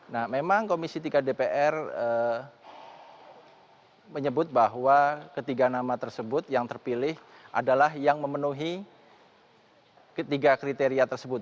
nah memang komisi tiga dpr menyebut bahwa ketiga nama tersebut yang terpilih adalah yang memenuhi ketiga kriteria tersebut